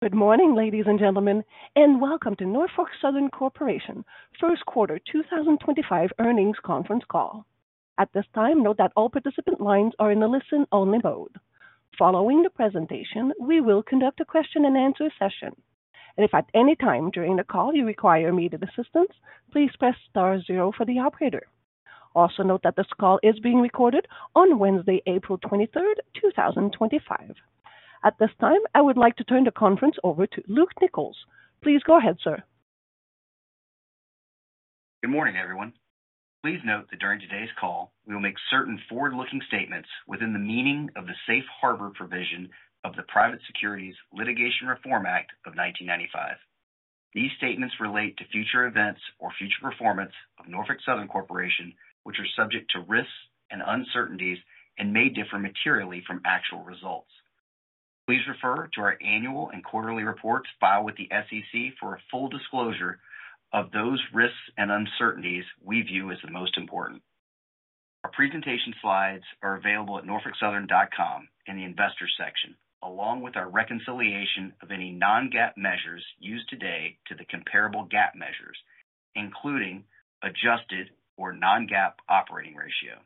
Good morning ladies and gentlemen and welcome to Norfolk Southern Corporation First Quarter 2025 Earnings Conference Call. At this time, note that all participant lines are in the listen-only mode. Following the presentation, we will conduct a question-and-answer session and if at any time during the call you require immediate assistance, please press star zero for the operator. Also note that this call is being recorded on Wednesday, April 23, 2025. At this time I would like to turn the conference over to Luke Nichols. Please go ahead, sir. Good morning everyone. Please note that during today's call we will make certain forward-looking statements within the meaning of the Safe Harbor Provision of the Private Securities Litigation Reform Act of 1995. These statements relate to future events or future performance of Norfolk Southern Corporation which are subject to risks and uncertainties and may differ materially from actual results. Please refer to our annual and quarterly reports filed with the SEC for a full disclosure of those risks and uncertainties we view as the most important. Our presentation slides are available at norfolksouthern.com in the Investors section along with our reconciliation of any non-GAAP measures used today to the comparable GAAP measures including adjusted or non-GAAP operating ratio.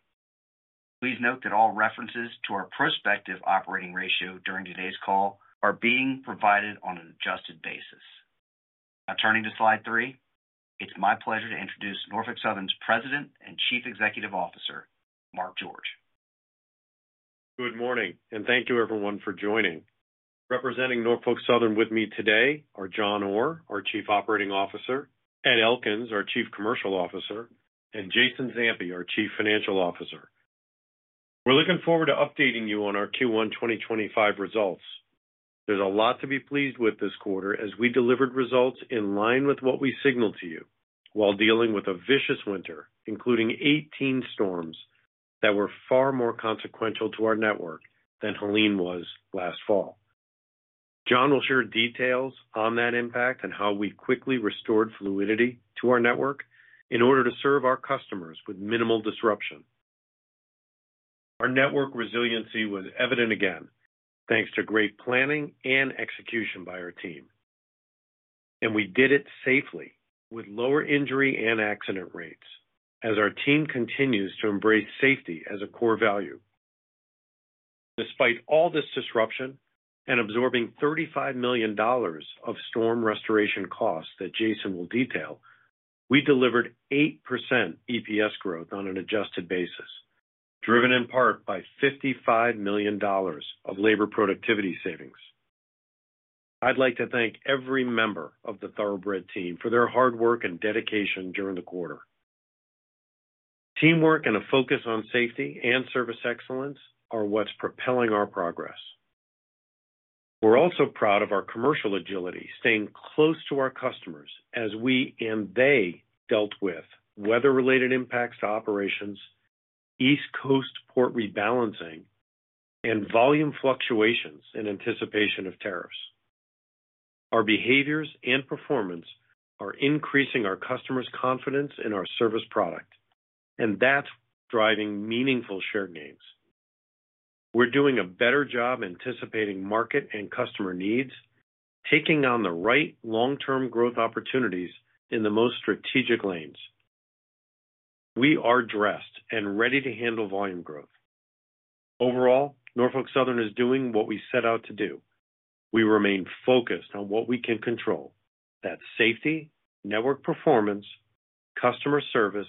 Please note that all references to our prospective operating ratio during today's call are being provided on an adjusted basis. Now turning to slide three, it's my pleasure to introduce Norfolk Southern's President and Chief Executive Officer, Mark George. Good morning and thank you everyone for joining. Representing Norfolk Southern with me today are John Orr, our Chief Operating Officer, Ed Elkins, our Chief Commercial Officer, and Jason Zampi, our Chief Financial Officer. We're looking forward to updating you on our Q1 2025 results. There's a lot to be pleased with this quarter as we delivered results in line with what we signaled to you while dealing with a vicious winter, including 18 storms that were far more consequential to our network than Helene was last fall. John will share details on that impact and how we quickly restored fluidity to our network in order to serve our customers with minimal disruption. Our network resiliency was evident again thanks to great planning and execution by our team. We did it safely with lower injury and accident rates as our team continues to embrace safety as a core value. Despite all this disruption and absorbing $35 million of storm restoration costs that Jason will detail, we delivered 8% EPS growth on an adjusted basis, driven in part by $55 million of labor productivity savings. I'd like to thank every member of the Thoroughbred team for their hard work and dedication during the quarter. Teamwork and a focus on safety and service excellence are what's propelling our progress. We're also proud of our commercial agility, staying close to our customers as we and they dealt with weather-related impacts to operations, East Coast port rebalancing and volume fluctuations in anticipation of tariffs. Our behaviors and performance are increasing our customers' confidence in our service product and that's driving meaningful share gains. We're doing a better job anticipating market and customer needs, taking on the right long term growth opportunities in the most strategic lanes. We are dressed and ready to handle volume growth. Overall, Norfolk Southern is doing what we set out to do. We remain focused on what we can control. That's safety, network performance, customer service,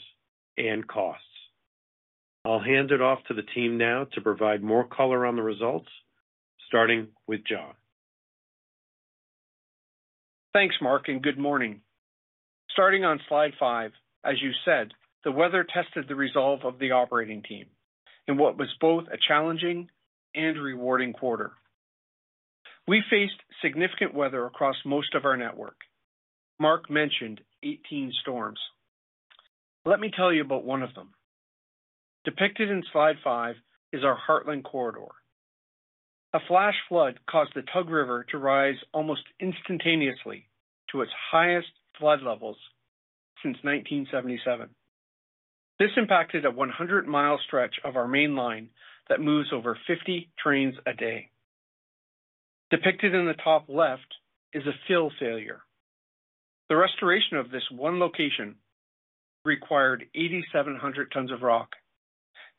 and costs. I'll hand it off to the team now to provide more color on the results starting with John. Thanks, Mark, and good morning. Starting on slide five, as you said, the weather tested the resolve of the operating team in what was both a challenging and rewarding quarter. We faced significant weather across most of our network. Mark mentioned 18 storms. Let me tell you about one of them. Depicted in slide five is our Heartland Corridor. A flash flood caused the Tug River to rise almost instantaneously to its highest flood levels since 1977. This impacted a 100 mi stretch of our main line that moves over 50 trains a day. Depicted in the top left is a fill failure. The restoration of this one location required 8,700 tons of rock,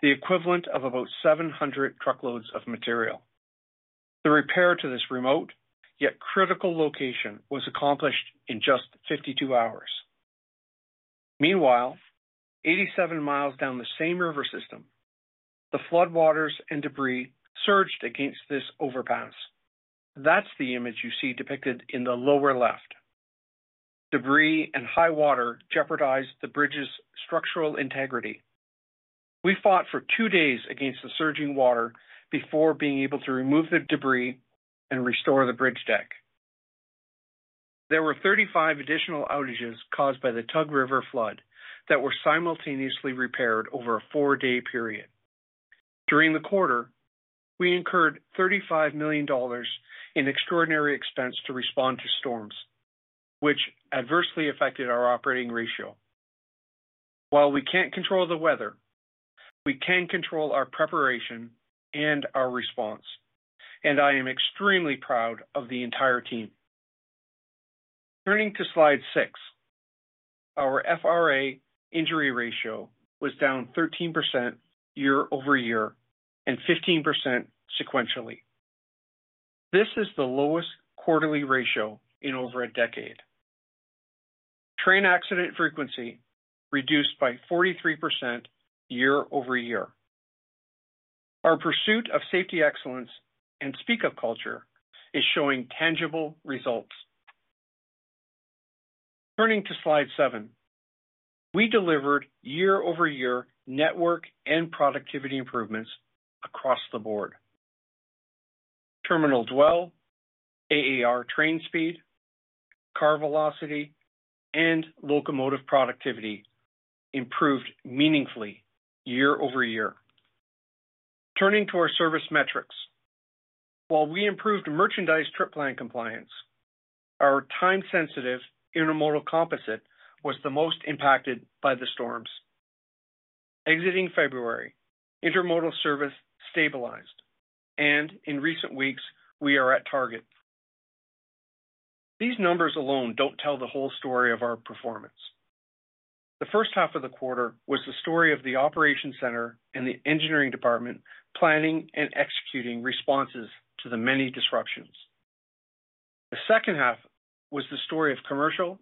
the equivalent of about 700 truckloads of material. The repair to this remote yet critical location was accomplished in just 52 hours. Meanwhile, 87 mi down the same river system, the flood waters and debris surged against this overpass. That is the image you see depicted in the lower left. Debris and high water jeopardized the bridge's structural integrity. We fought for two days against the surging water before being able to remove the debris and restore the bridge deck. There were 35 additional outages caused by the Tug River flood that were simultaneously repaired over a four-day period. During the quarter we incurred $35 million in extraordinary expense to respond to storms which adversely affected our operating ratio. While we can't control the weather, we can control our preparation and our response. I am extremely proud of the entire team. Turning to slide six, our FRA injury ratio was down 13% year-over-year and 15% sequentially. This is the lowest quarterly ratio in over a decade. Train accident frequency reduced by 43% year-over-year. Our pursuit of safety excellence and Speak Up culture is showing tangible results. Turning to slide seven, we delivered year-over-year network and productivity improvements across the board. Terminal dwell, AAR train speed, car velocity, and locomotive productivity improved meaningfully year-over-year. Turning to our service metrics, while we improved merchandise trip-plan compliance, our time-sensitive intermodal composite was the most impacted by the storms. Exiting February, intermodal service stabilized and in recent weeks we are at target. These numbers alone do not tell the whole story of our performance. The first half of the quarter was the story of the Operations Center and the Engineering Department planning and executing responses to the many disruptions. The second half was the story of Commercial,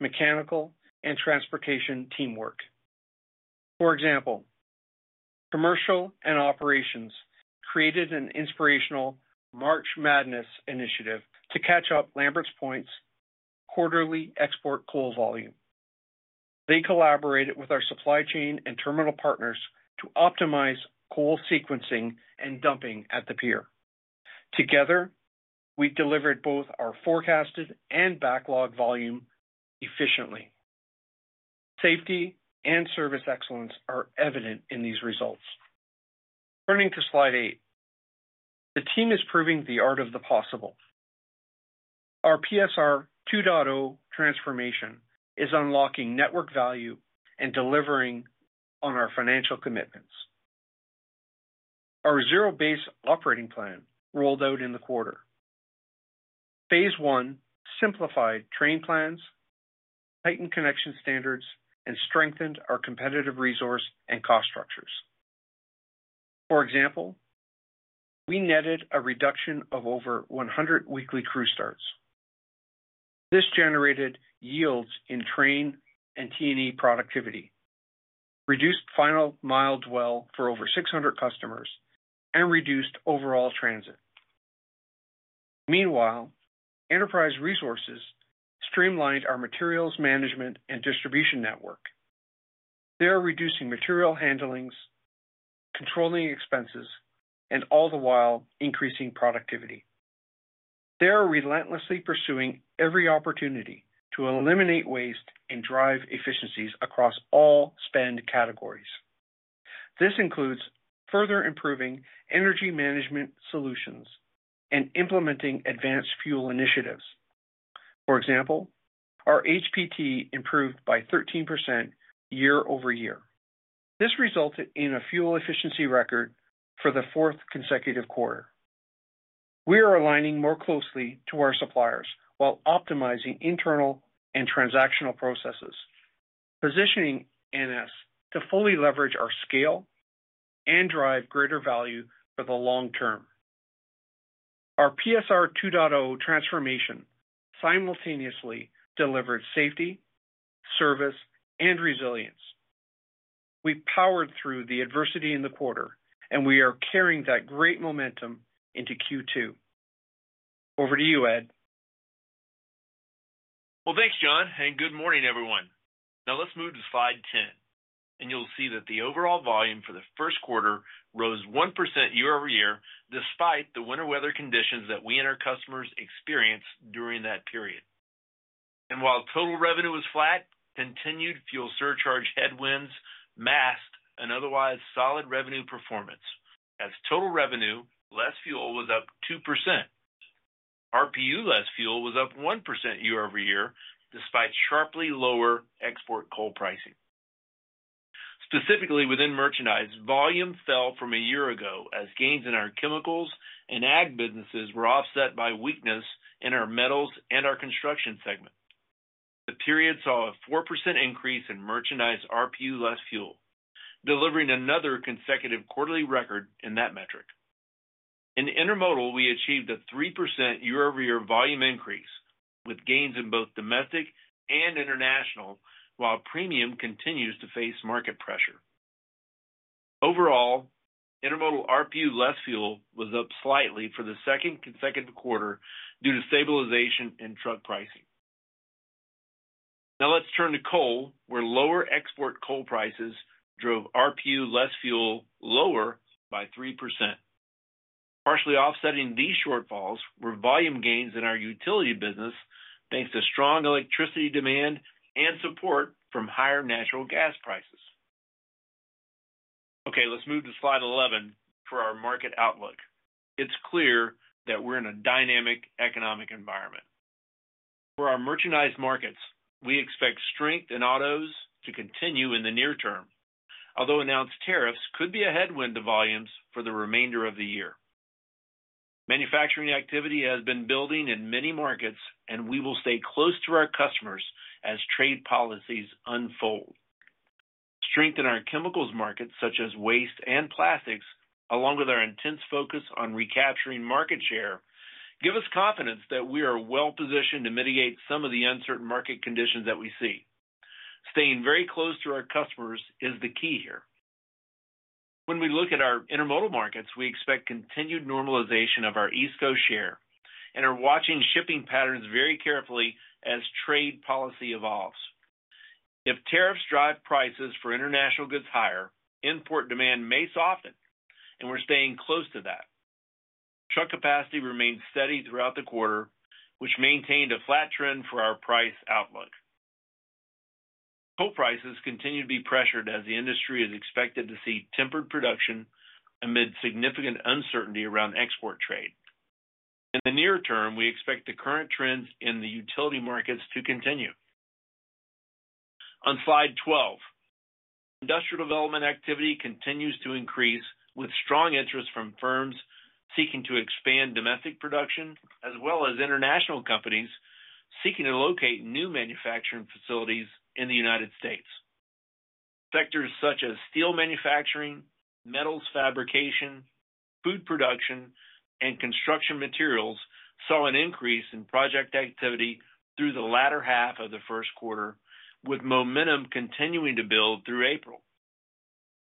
Mechanical and Transportation teamwork. For example, Commercial and Operations created an inspirational March Madness initiative to catch up Lambert's Point's quarterly export coal volume. They collaborated with our supply chain and terminal partners to optimize coal sequencing and dumping at the pier. Together, we delivered both our forecasted and backlog volume efficiently. Safety and service excellence are evident in these results. Turning to slide eight, the team is proving the art of the possible. Our PSR 2.0 transformation is unlocking network value and delivering on our financial commitments. Our Zero-based Operating Plan rolled out in the quarter. Phase one simplified train plans, heightened connection standards, and strengthened our competitive resource and cost structures. For example, we netted a reduction of over 100 weekly crew starts. This generated yields in train and T&E productivity, reduced final mile dwell for over 600 customers, and reduced overall transit. Meanwhile, Enterprise Resources streamlined our materials management and distribution network. They are reducing material handlings, controlling expenses, and all the while increasing productivity. They are relentlessly pursuing every opportunity to eliminate waste and drive efficiencies across all spend categories. This includes further improving energy management solutions and implementing advanced fuel initiatives. For example, our HPT improved by 13% year-over-year. This resulted in a fuel efficiency record for the fourth consecutive quarter. We are aligning more closely to our suppliers while optimizing internal and transactional processes, positioning NS to fully leverage our scale and drive greater value for the long term. Our PSR 2.0 transformation simultaneously delivered safety, service, and resilience. We powered through the adversity in the quarter and we are carrying that great momentum into Q2. Over to you Ed. Thanks John and good morning everyone. Now let's move to slide 10 and you'll see that the overall volume for the first quarter rose 1% year-over-year despite the winter weather conditions that we and our customers experienced during that period. While total revenue was flat, continued fuel surcharge headwinds masked an otherwise solid revenue performance. As total revenue (less fuel) was up 2%, RPU (less fuel) was up 1% year-over-year despite sharply lower export coal pricing. Specifically within merchandise, volume fell from a year ago as gains in our chemicals and ag businesses were offset by weakness in our metals and our construction segment. The period saw a 4% increase in merchandise RPU (less fuel), delivering another consecutive quarterly record in that metric. In intermodal, we achieved a 3% year-over-year volume increase with gains in both domestic and international while premium continues to face market pressure. Overall, intermodal RPU (less fuel) was up slightly for the second consecutive quarter due to stabilization in truck pricing. Now let's turn to coal where lower export coal prices drove RPU (less fuel) lower by 3%. Partially offsetting these shortfalls were volume gains in our utility business thanks to strong electricity demand and support from higher natural gas prices. Okay, let's move to slide 11 for our market outlook. It's clear that we're in a dynamic economic environment for our merchandise markets. We expect strength in autos to continue in the near term, although announced tariffs could be a headwind to volumes for the remainder of the year. Manufacturing activity has been building in many markets and we will stay close to our customers as trade policies unfold. Strength in our chemicals markets such as waste and plastics, along with our intense focus on recapturing market share, give us confidence that we are well positioned to mitigate some of the uncertain market conditions that we see. Staying very close to our customers is the key here. When we look at our intermodal markets, we expect continued normalization of our East Coast share and are watching shipping patterns very carefully as trade policy evolves. If tariffs drive prices for international goods higher, import demand may soften and we're staying close to that. Truck capacity remains steady throughout the quarter, which maintained a flat trend for our price outlook. Coal prices continue to be pressured as the industry is expected to see tempered production amid significant uncertainty around export trade. In the near term, we expect the current trends in the utility markets to continue. On slide 12, industrial development activity continues to increase with strong interest from firms seeking to expand domestic production as well as international companies seeking to locate new manufacturing facilities in the United States. Sectors such as steel manufacturing, metals fabrication, food production, and construction materials saw an increase in project activity through the latter half of the first quarter, with momentum continuing to build through April.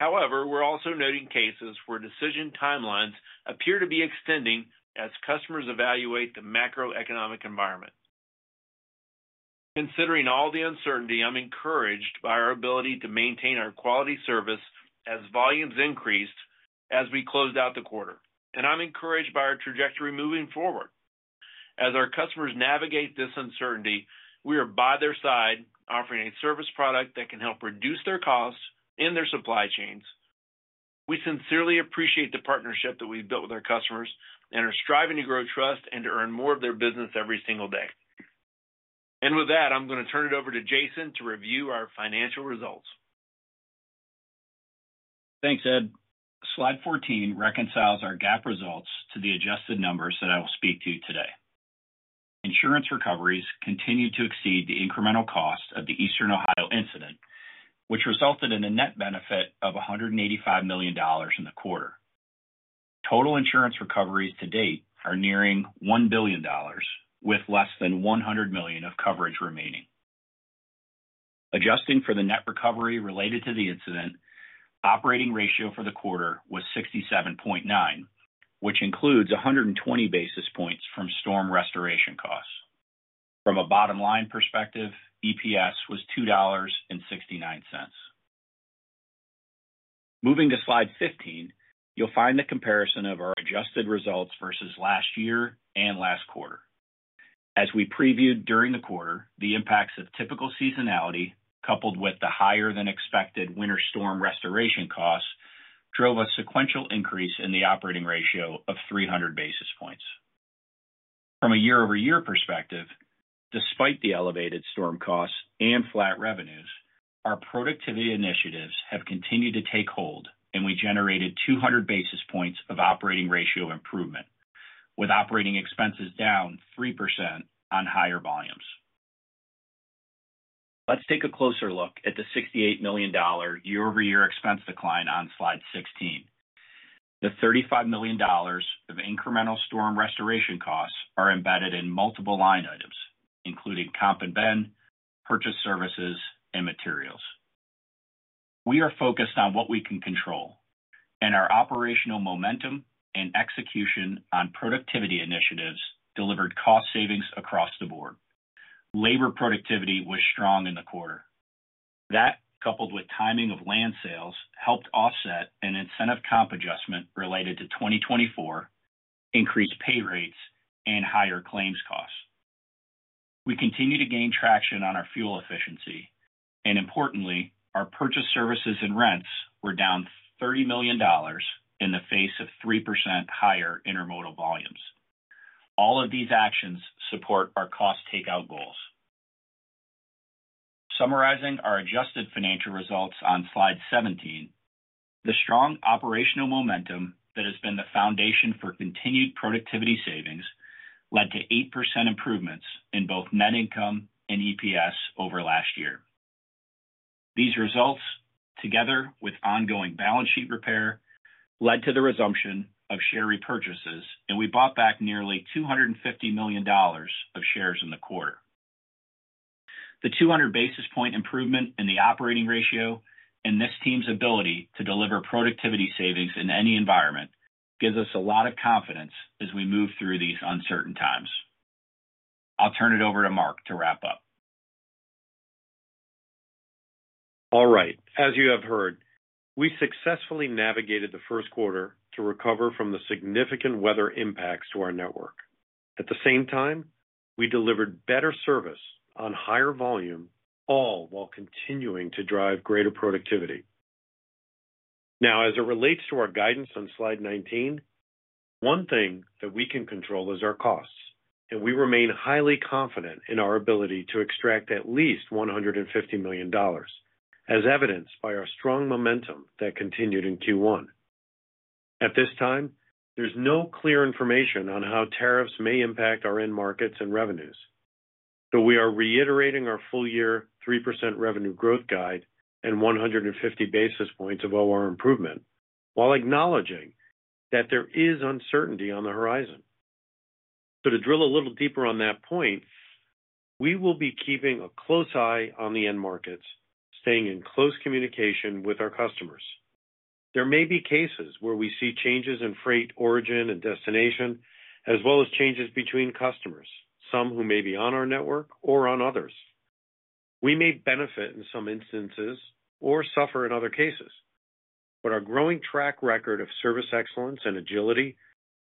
However, we're also noting cases where decision timelines appear to be extending as customers evaluate the macroeconomic environment. Considering all the uncertainty, I'm encouraged by our ability to maintain our quality service as volumes increased as we closed out the quarter, and I'm encouraged by our trajectory moving forward. As our customers navigate this uncertainty, we are by their side offering a service product that can help reduce their costs in their supply chains. We sincerely appreciate the partnership that we've built with our customers and are striving to grow, trust and to earn more of their business every single day. With that, I'm going to turn it over to Jason to review our financial results. Thanks, Ed. Slide 14 reconciles our GAAP results to the adjusted numbers that I will speak to today. Insurance recoveries continued to exceed the incremental cost of the Eastern Ohio incident, which resulted in a net benefit of $185 million in the quarter. Total insurance recoveries to date are nearing $1 billion with less than $100 million of coverage remaining. Adjusting for the net recovery related to the incident, operating ratio for the quarter was 67.9, which includes 120 basis points from storm restoration costs. From a bottom line perspective, EPS was $2.69. Moving to slide 15, you'll find the comparison of our adjusted results versus last year and last quarter. As we previewed during the quarter, the impacts of typical seasonality coupled with the higher-than-expected winter storm restoration costs drove a sequential increase in the operating ratio of 300 basis points. From a year-over-year perspective, despite the elevated storm costs and flat revenues, our productivity initiatives have continued to take hold and we generated 200 basis points of operating ratio improvement with operating expenses down 3% on higher volumes. Let's take a closer look at the $68 million year-over-year expense decline on slide 16. The $35 million of incremental storm restoration costs are embedded in multiple line items including comp and ben, purchased services and materials. We are focused on what we can control and our operational momentum and execution on productivity initiatives delivered cost savings across the board. Labor productivity was strong in the quarter. That, coupled with timing of land sales, helped offset an incentive comp adjustment related to 2024, increased pay rates, and higher claims costs. We continue to gain traction on our fuel efficiency and importantly, our purchased services and rents were down $30 million in the face of 3% higher intermodal volumes. All of these actions support our cost takeout goals. Summarizing our adjusted financial results on slide 17, the strong operational momentum that has been the foundation for continued productivity savings led to 8% improvements in both net income and EPS over last year. These results, together with ongoing balance-sheet repair, led to the resumption of share repurchases and we bought back nearly $250 million of shares in the quarter. The 200-basis-point improvement in the operating ratio and this team's ability to deliver productivity savings in any environment gives us a lot of confidence as we move through these uncertain times. I'll turn it over to Mark to wrap up. All right. As you have heard, we successfully navigated the first quarter to recover from the significant weather impacts to our network. At the same time, we delivered better service on higher volume, all while continuing to drive greater productivity. Now, as it relates to our guidance on slide 19, one thing that we can control is our costs, and we remain highly confident in our ability to extract at least $150 million, as evidenced by our strong momentum that continued in Q1. At this time, there is no clear information on how tariffs may impact our end markets and revenues, though we are reiterating our full year 3% revenue growth guide and 150 basis points of OR improvement, while acknowledging that there is uncertainty on the horizon. To drill a little deeper on that point, we will be keeping a close eye on the end markets, staying in close communication with our customers. There may be cases where we see changes in freight origin and destination, as well as changes between customers, some who may be on our network or on others. We may benefit in some instances or suffer in other cases, but our growing track record of service excellence and agility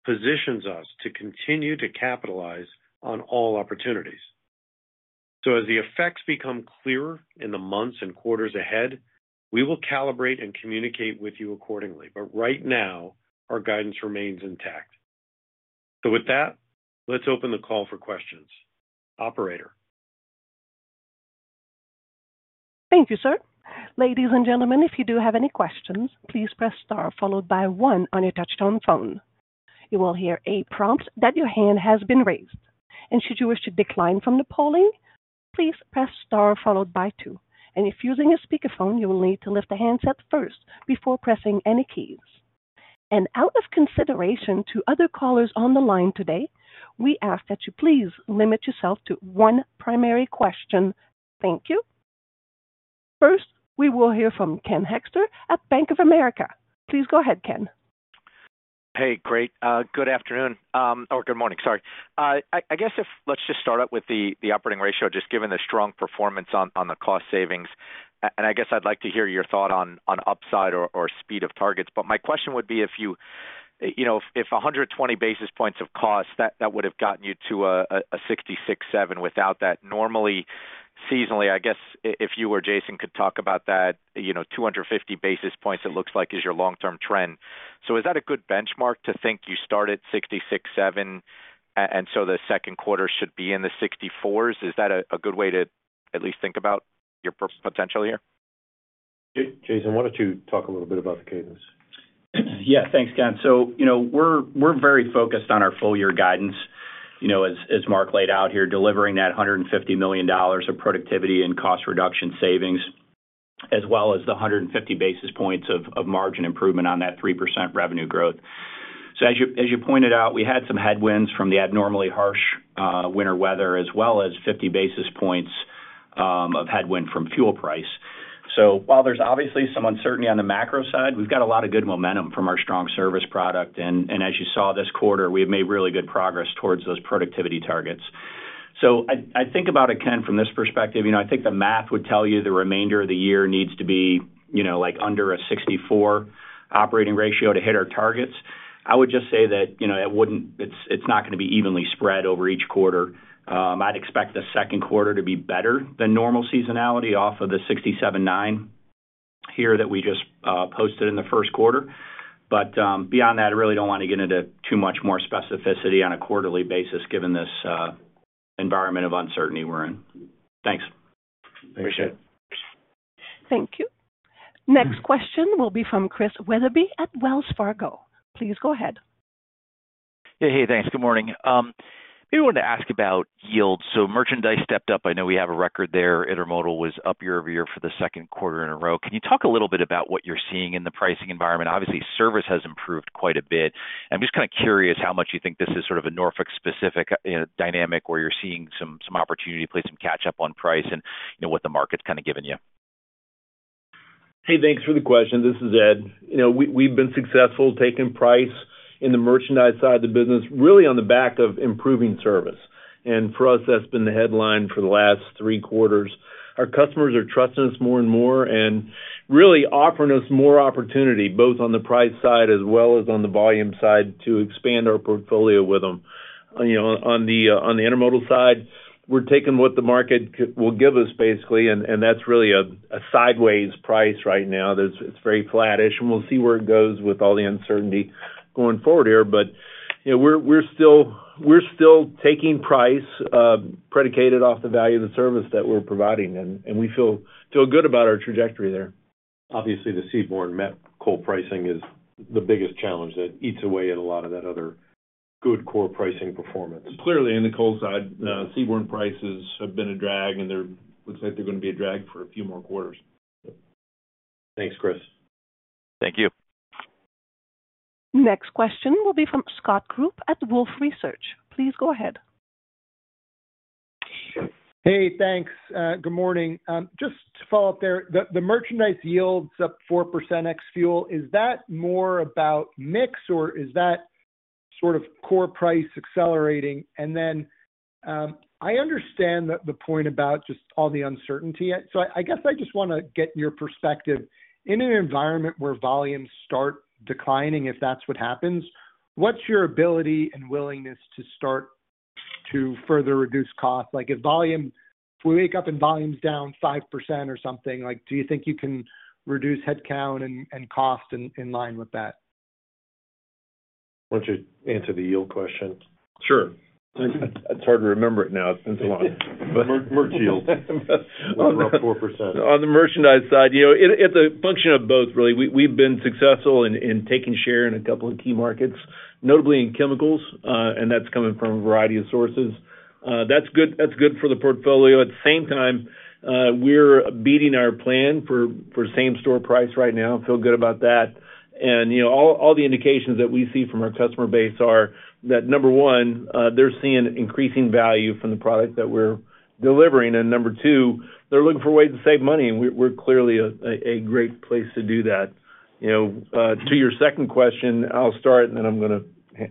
positions us to continue to capitalize on all opportunities. As the effects become clearer in the months and quarters ahead, we will calibrate and communicate with you accordingly. Right now, our guidance remains intact. With that, let's open the call for questions. Operator? Thank you, sir. Ladies and gentlemen, if you do have any questions, please press star followed by one on your touchtone phone. You will hear a prompt that your hand has been raised. Should you wish to decline from the polling, please press star followed by two. If using a speakerphone, you will need to lift the handset first before pressing any keys. Out of consideration to other callers on the line today, we ask that you please limit yourself to one primary question. Thank you. First, we will hear from Ken Hoexter at Bank of America. Please go ahead, Ken. Hey. Great. Good afternoon or good morning. Sorry. I guess let's just start up with the operating ratio. Just given the strong performance on the cost savings. I guess I'd like to hear your thought on upside or speed of targets. My question would be if you, you know, if 120 basis points of cost that would have gotten you to a 66.7 without that normally, seasonally, I guess if you or Jason could talk about that. You know, 250 basis points, it looks like, is your long term trend. Is that a good benchmark to think? You start at 66.7 and so the second quarter should be in the 64s. Is that a good way to at least think about your potential here? Jason, why don't you talk a little bit about the cadence? Yeah, thanks, Ken. You know, we're very focused on our full year guidance. As Mark laid out here, delivering that $150 million of productivity and cost reduction savings as well as the 150 basis points of margin improvement on that 3% revenue growth. As you pointed out, we had some headwinds from the abnormally harsh winter weather as well as 50 basis points of headwind from fuel price. While there's obviously some uncertainty on the macro side, we've got a lot of good momentum from our strong service product. As you saw this quarter, we've made really good progress towards those productivity targets. I think about it, Ken, from this perspective, you know, I think the math would tell you the remainder of the year needs to be, you know, like under a 64 operating ratio to hit our targets. I would just say that, you know, it wouldn't. It's not going to be evenly spread over each quarter. I'd expect the second quarter to be better than normal seasonality off of the 67.9 here that we just posted in the first quarter. But beyond that, I really do not want to get into too much more specificity on a quarterly basis given this environment of uncertainty we are in. Thanks, appreciate it. Thank you. Next question will be from Chris Wetherbee at Wells Fargo. Please go ahead. Hey, thanks. Good morning. Maybe wanted to ask about yields. So merchandise stepped up. I know we have a record there. Intermodal was up year-over-year for the second quarter in a row. Can you talk a little bit about what you are seeing in the pricing environment? Obviously, service has improved quite a bit. I am just kind of curious how much you think this is sort of a Norfolk-specific dynamic where you are seeing some opportunity to play some catch up on price and what the market is kind of giving you. Hey, thanks for the question. This is Ed. We've been successful taking price in the merchandise side of the business, really on the back of improving service. For us, that's been the headline for the last three quarters. Our customers are trusting us more and more and really offering us more opportunity both on the price side as well as on the volume side to expand our portfolio with them. On the intermodal side, we're taking what the market will give us, basically, and that's really a sideways price right now. It's very flattish and we'll see where it goes with all the uncertainty going forward here. We're still taking price predicated off the value of the service that we're providing and we feel good about our trajectory there. Obviously, the seaborne met coal pricing is the biggest challenge that eats away at a lot of that other good core pricing performance. Clearly in the coal side, seaborne prices have been a drag and there looks like they're going to be a drag for a few more quarters. Thanks, Chris. Thank you. Next question will be from Scott Group at Wolfe Research. Please go ahead. Hey, thanks. Good morning. Just to follow up there, the merchandise yield's up 4% ex-fuel. Is that more about mix or is that sort of core price accelerating? I understand the point about just all the uncertainty. I guess I just want to get your perspective. In an environment where volumes start declining, if that's what happens, what's your ability and willingness to start to further reduce cost? Like if volume, we wake up and volume's down 5% or something like, do you think you can reduce headcount and cost in line with that? Why don't you answer the yield question? Sure. It's hard to remember it now. It's been so long. Merch yield 4%. On the merchandise side, it's a function of both, really. We've been successful in taking share in a couple of key markets, notably in chemicals. That's coming from a variety of sources that's good for the portfolio. At the same time, we're beating our plan for same-store price right now. Feel good about that. All the indications that we see from our customer base are that, number one, they're seeing increasing value from the product that we're delivering and number two, they're looking for ways to save money. We're clearly a great place to do that. To your second question, I'll start and then I'm going to.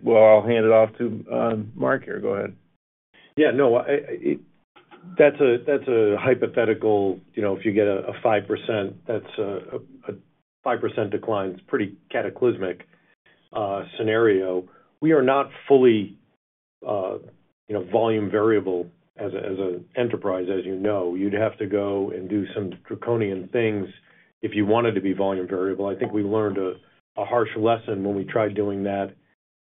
I'll hand it off to Mark here. Go ahead. Yeah, no, that's a hypothetical. If you get a 5%, that's a 5% decline is pretty cataclysmic scenario. We are not fully volume variable as an enterprise. As you know, you'd have to go and do some draconian things if you wanted to be volume variable. I think we learned a harsh lesson when we tried doing that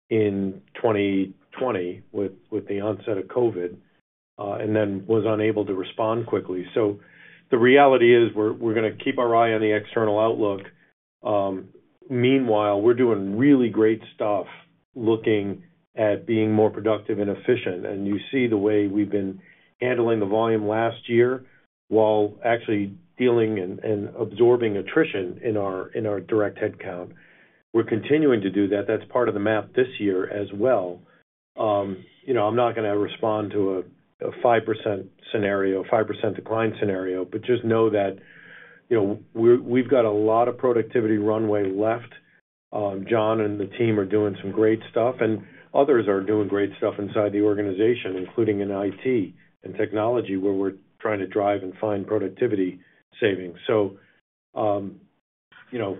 in 2020 with the onset of COVID and then was unable to respond quickly. The reality is we're going to keep our eye on the external outlook. Meanwhile, we're doing really great stuff, looking at being more productive and efficient. You see the way we've been handling the volume last year while actually dealing and absorbing attrition in our direct headcount. We're continuing to do that. That's part of the map this year as well. I'm not going to respond to a 5% scenario, 5% decline scenario, but just know that we've got a lot of productivity runway left. John and the team are doing some great stuff and others are doing great stuff inside the organization, including in IT and technology where we're trying to drive and find productivity savings. You know,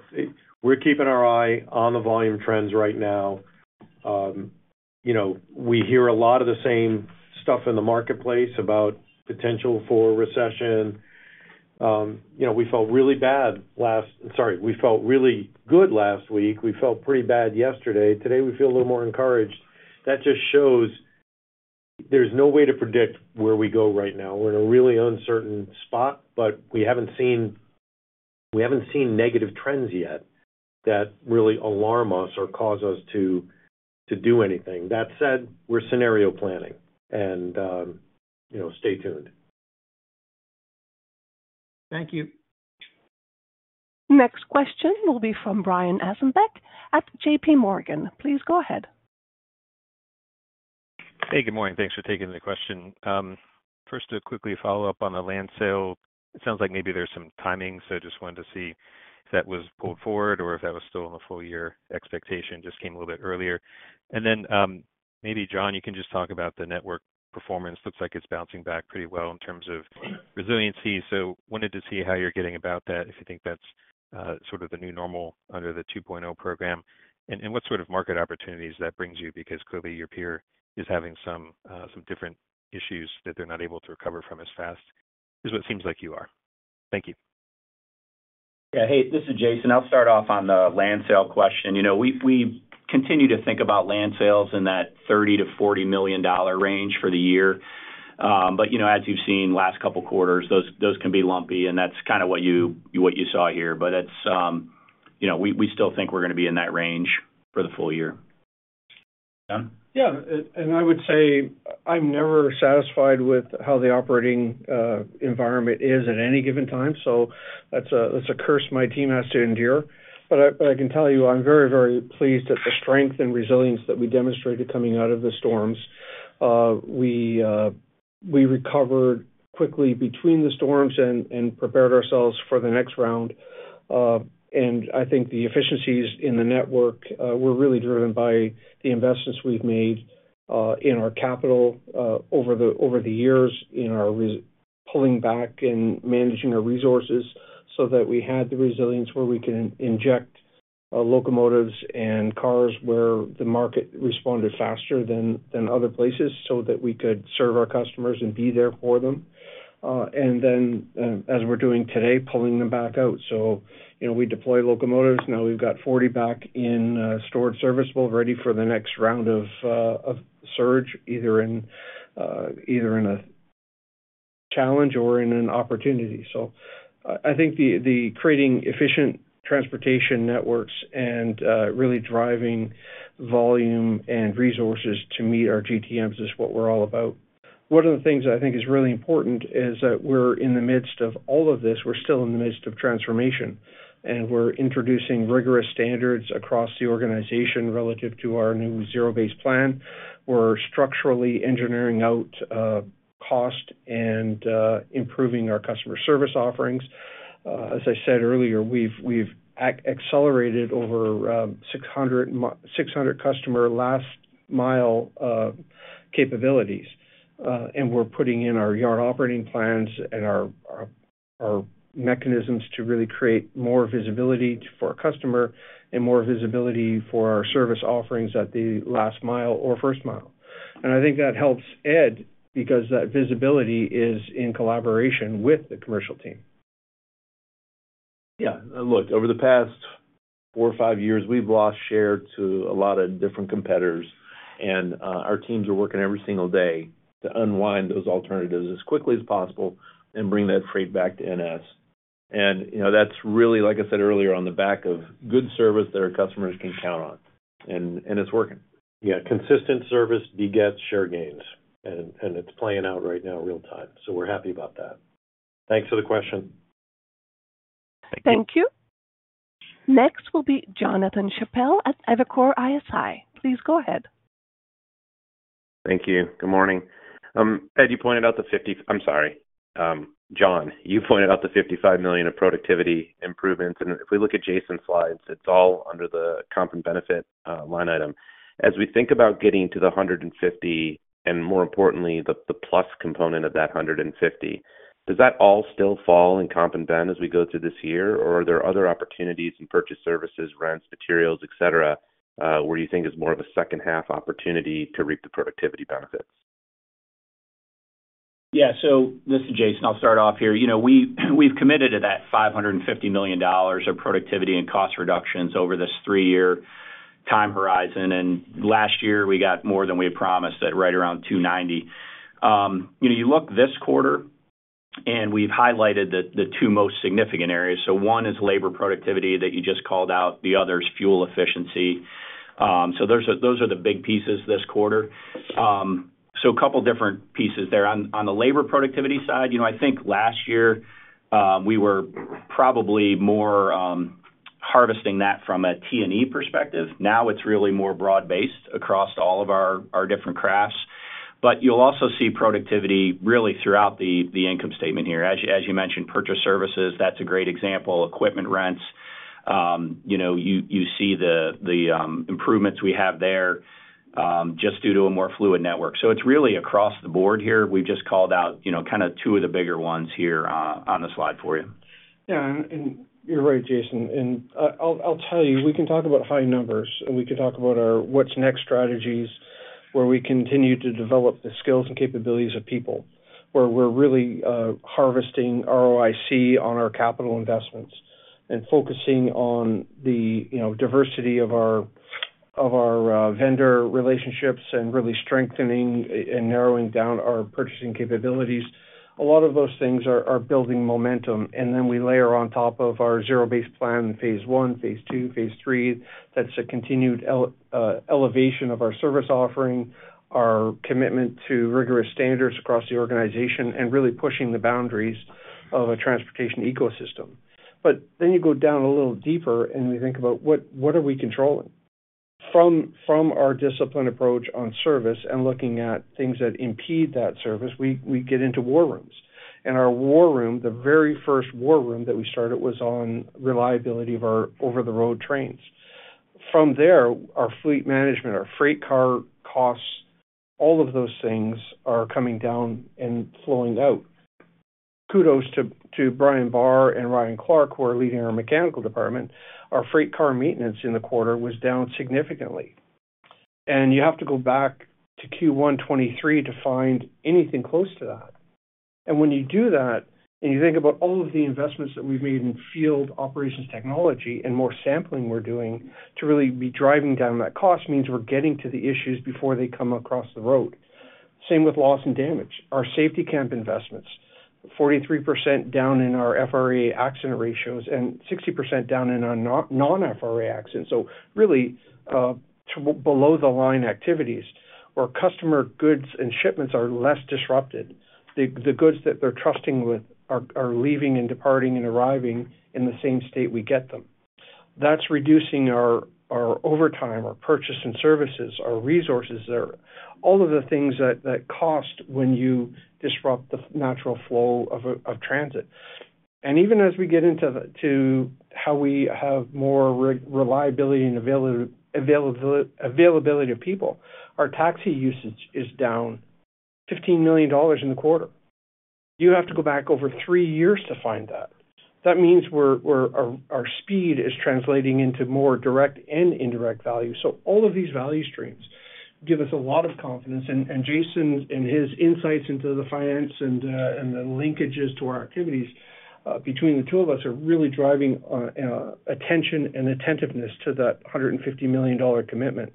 we're keeping our eye on the volume trends right now. You know, we hear a lot of the same stuff in the marketplace about potential for recession. You know, we felt really good last week. We felt pretty bad yesterday. Today we feel a little more encouraged. That just shows there's no way to predict where we go. Right now we're in a really uncertain spot. We have not seen, we have not seen negative trends yet that really alarm us or cause us to do anything. That said, we are scenario planning and stay tuned. Thank you. Next question will be from Brian Ossenbeck at JPMorgan. Please go ahead. Hey, good morning. Thanks for taking the question. First, to quickly follow up on the land sale. It sounds like maybe there is some timing, so just wanted to see if that was pulled forward or if that was still in the full year. Expectation just came a little bit earlier. Maybe, John, you can just talk about the network performance. Looks like it is bouncing back pretty well in terms of resiliency. Wanted to see how you are getting about that. If you think that's sort of the new normal under the 2.0 program and what sort of market opportunities that brings you because clearly your peer is having some different issues that they're not able to recover from as fast as it seems like you are. Thank you. Yeah, hey, this is Jason. I'll start off on the land sale question. You know, we continue to think about land sales in that $30 million-$40 million range for the year. But you know, as you've seen last couple quarters, those can be lumpy. That's kind of what you saw here. It's, you know, we still think we're going to be in that range for the full year. Yeah. I would say I'm never satisfied with how the operating environment is at any given time. That's a curse my team has to endure. I can tell you I'm very, very pleased at the strength and resilience that we demonstrated coming out of the storms. We recovered quickly between the storms and prepared ourselves for the next round. I think the efficiencies in the network were really driven by the investments we've made in our capital over the years in our pulling back and managing our resources so that we had the resilience where we can inject locomotives and cars, where the market responded faster than other places so that we could serve our customers and be there for them and then as we're doing today, pulling them back out. You know, we deploy locomotives now, we've got 40 back in, stored, serviceable, ready for the next round of surge, either in a challenge or in an opportunity. I think creating efficient transportation networks and really driving volume and resources to meet our GTMs is what we're all about. One of the things I think is really important is that we're in the midst of all of this. We're still in the midst of transformation and we're introducing rigorous standards across the organization relative to our new Zero-based Plan. We're structurally engineering out cost and improving our customer service offerings. As I said earlier, we've accelerated over 600 customer last-mile capabilities and we're putting in our yard operating plans and our mechanisms to really create more visibility for our customer and more visibility for our service offerings at the last mile or first mile. I think that helps Ed, because that visibility is in collaboration with the commercial team. Yeah, look, over the past four or five years we've lost share to a lot of different competitors and our teams are working every single day to unwind those alternatives as quickly as possible and bring that freight back to NS. You know, that's really like I said earlier, on the back of good service that our customers can count on and it's working. Yeah. Consistent service begets share gains and it's playing out right now real time. We're happy about that. Thanks for the question. Thank you. Next will be Jonathan Chappell at Evercore ISI. Please go ahead. Thank you. Good morning Ed. You pointed out the 50. I'm sorry John, you pointed out the $55 million of productivity improvements and if we look at Jason's slides, it's all under the comp and benefit line item as we think about getting to the $150 million and more importantly the plus component of that $150 million. Does that all still fall in comp and ben as we go through this year or are there other opportunities in purchased services, rents, materials, et cetera, where you think it's more of a second half opportunity to reap the productivity benefits? Yeah, this is Jason, I'll start off here. You know, we've committed to that $550 million of productivity and cost reductions over this three-year time horizon. Last year we got more than we had promised at right around $290 million. You know, you look this quarter and we've highlighted that the two most significant areas. One is labor productivity that you just called out. The other is fuel efficiency. Those are the big pieces this quarter. A couple different pieces there on the labor productivity side. You know, I think last year we were probably more harvesting that from a T&E perspective. Now it's really more broad based across all of our different crafts. You'll also see productivity really throughout the income statement here as you mentioned, purchased services, that's a great example. Equipment rents, you see the improvements we have there just due to a more fluid network. It's really across the board here. We've just called out two of the bigger ones here on the slide for you. Yeah, you're right Jason. I will tell you, we can talk about high numbers and we can talk about our what's next strategies where we continue to develop the skills and capabilities of people, where we're really harvesting ROIC on our capital investments and focusing on the diversity of our vendor relationships and really strengthening and narrowing down our purchasing capabilities. A lot of those things are building momentum. We layer on top of our Zero-based Plan phase one, phase two, phase three. That is a continued elevation of our service, offering our commitment to rigorous standards across the organization and really pushing the boundaries of a transportation ecosystem. You go down a little deeper and we think about what are we controlling. From our disciplined approach on service and looking at things that impede that service, we get into war rooms and our war room, the very first war room that we started was on reliability of our over the road trains. From there, our fleet management, our freight car costs, all of those things are coming down and flowing out. Kudos to Brian Barr and Ryan Clark who are leading our mechanical department. Our freight car maintenance in the quarter was down significantly and you have to go back to Q1 2023 to find anything close to that. When you do that and you think about all of the investments that we've made in field, operations, and technology and more sampling we're doing to really be driving down that cost means we're getting to the issues before they come across the road. Same with loss and damage. Our safety camp investments. 43% down in our FRA accident ratios and 60% down in our non-FRA accidents. Really below-the-line activities where customer goods and shipments are less disrupted, the goods that they're trusting with are leaving and departing and arriving in the same state we get them. That's reducing our overtime, our purchase and services, our resources, all of the things that cost when you disrupt the natural flow of transit. Even as we get into how we have more reliability and availability, availability of people, our taxi usage is down $15 million in the quarter. You have to go back over three years to find that. That means our speed is translating into more direct and indirect value. All of these value streams give us a lot of confidence. Jason and his insights into the finance and the linkages to our activities between the two of us are really driving attention and attentiveness to that $150 million commitment.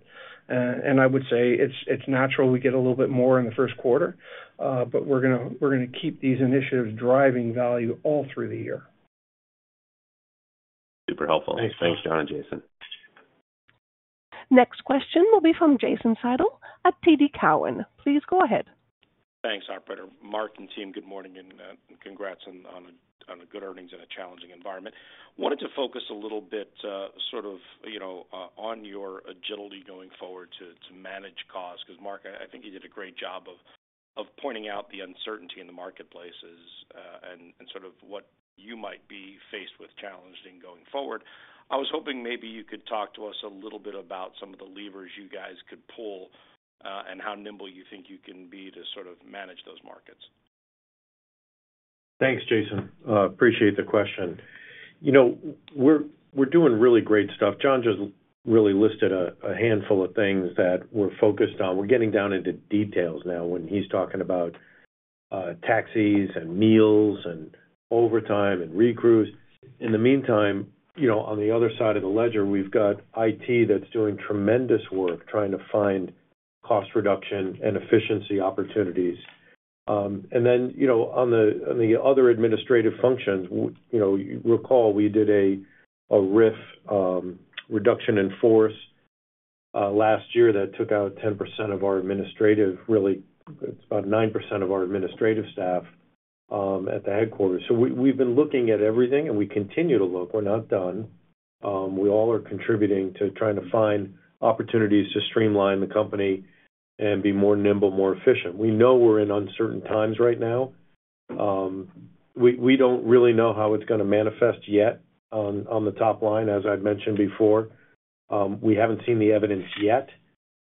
I would say it's natural we get a little bit more in the first quarter, but we're going to keep these initiatives driving value all through the year. Super helpful. Thanks, John and Jason. Next question will be from Jason Seidl at TD Cowen. Please go ahead. Thanks, Operator. Mark and team, good morning and congrats on good earnings in a challenging environment. Wanted to focus a little bit sort of, you know, on your agility going forward to manage costs. Because, Mark, I think you did a great job of pointing out the uncertainty in the marketplaces and sort of what you might be faced with challenging going forward. I was hoping maybe you could talk to us a little bit about some of the levers you guys could pull and how nimble you think you can be to sort of manage those markets. Thanks, Jason. Appreciate the question. You know, we're doing really great stuff. John just really listed a handful of things that we're focused on. We're getting down into details now when he's talking about taxis and meals and overtime and recruits. In the meantime, you know, on the other side of the ledger, we've got IT that's doing tremendous work trying to find cost reduction and efficiency opportunities. You know, on the other administrative functions, recall we did a RIF reduction in force last year that took out 10% of our administrative, really it's about 9% of our administrative staff at the headquarters. We have been looking at everything and we continue to look. We are not done. We all are contributing to trying to find opportunities to streamline the company and be more nimble, more efficient. We know we are in uncertain times right now. We do not really know how it is going to manifest yet on the top line. As I have mentioned before, we have not seen the evidence yet,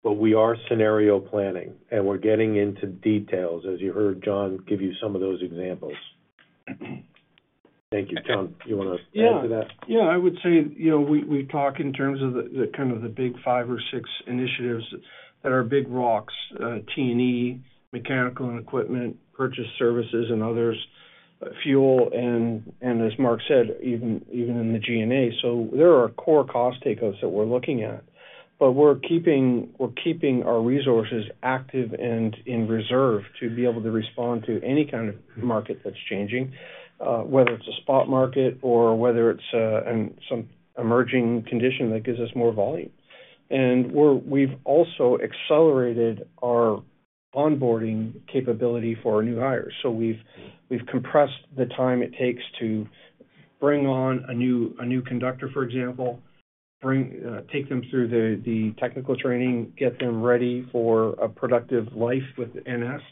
but we are scenario planning and we are getting into details. As you heard John give you some of those examples. Thank you. John, you want to add to that? Yeah, I would say, you know, we talk in terms of the kind of the big five or six initiatives that are big rocks, T&E, mechanical and equipment, purchased services and others, fuel, and as Mark said, even in the G&A. So there are core cost takeouts that we are looking at. We're keeping our resources active and in reserve to be able to respond to any kind of market that's changing, whether it's a spot market or whether it's some emerging condition that gives us more volume. We've also accelerated our onboarding capability for new hires. We've compressed the time it takes to bring on a new conductor, for example, take them through the technical training, get them ready for a productive life with NS.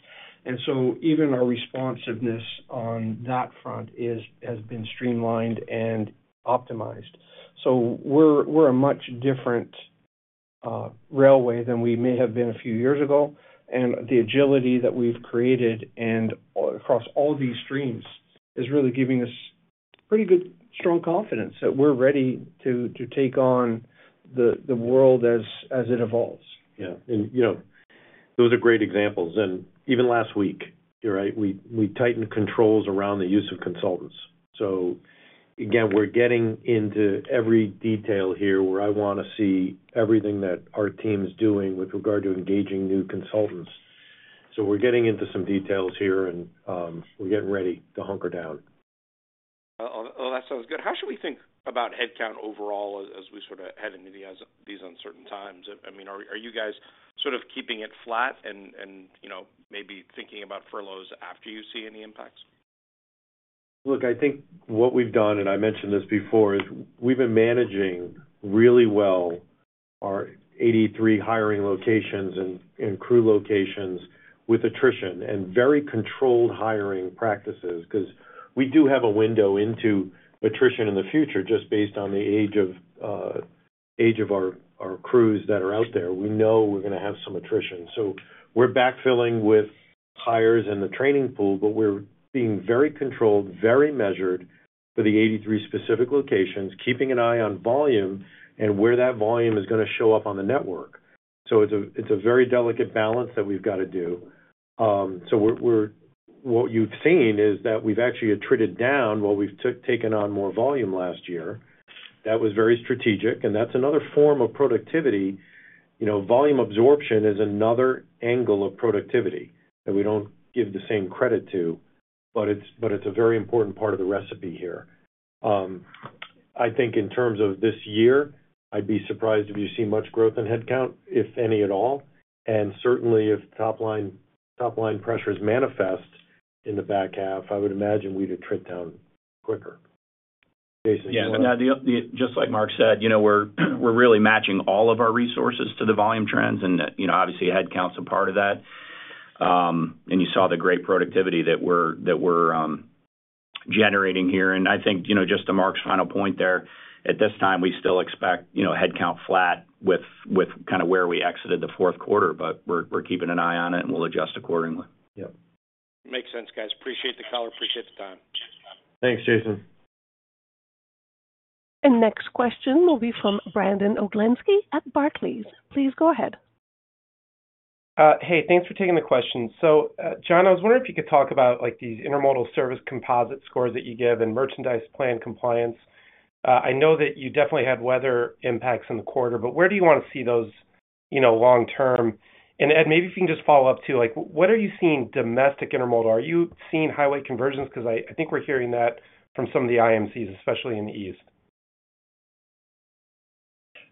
Even our responsiveness on that front has been streamlined and optimized. We're a much different railway than we may have been a few years ago. The agility that we've created across all these streams is really giving us pretty good strong confidence that we're ready to take on the world as it evolves. Those are great examples. Even last week, right, we tightened controls around the use of consultants. Again, we're getting into every detail here where I want to see everything that our team is doing with regard to engaging new consultants. We're getting into some details here and we're getting ready to hunker down. That sounds good. How should we think about headcount overall as we sort of head into these uncertain times? I mean, are you guys sort of keeping it flat and maybe thinking about furloughs after you see any impacts? Look, I think what we've done, and I mentioned this before, is we've been managing really well our 83 hiring locations and crew locations with attrition and very controlled hiring practices because we do have a window into attrition in the future just based on the age of our crews that are out there, we know we're going to have some attrition. We are backfilling with hires in the training pool. We are being very controlled, very measured for the 83 specific locations, keeping an eye on volume and where that volume is going to show up on the network. It is a very delicate balance that we've got to do. What you've seen is that we've actually attributed down while we've taken on more volume last year, that was very strategic and that's another form of productivity. Volume absorption is another angle of productivity that we do not give the same credit to, but it is a very important part of the recipe here. I think in terms of this year, I would be surprised if you see much growth in headcount, if any at all. Certainly if top line pressures manifest in the back half, I would imagine we would have trip down quicker. Jason? Yeah, just like Mark said, you know, we are really matching all of our resources to the volume trends. You know, obviously headcount is a part of that and you saw the great productivity that we are generating here. I think, you know, just to Mark's final point there at this time, we still expect, you know, headcount flat with kind of where we exited the fourth quarter. We are keeping an eye on it and we will adjust accordingly. Yep, makes sense. Guys. Appreciate the caller, appreciate the time. Thanks, Jason. Next question will be from Brandon Oglenski at Barclays. Please go ahead. Hey, thanks for taking the question. John, I was wondering if you could talk about like these intermodal service composite scores that you give and merchandise plan compliance. I know that you definitely had weather impacts in the quarter, but where do you want to see those, you know, long term? Ed, maybe if you can just follow up too, like what are you seeing domestic intermodal? Are you seeing highway conversions? Because I think we are hearing that from some of the IMCs, especially in the East.